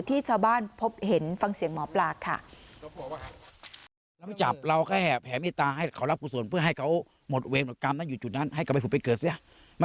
ที่ชาวบ้านพบเห็นฟังเสียงหมอปลาค่ะ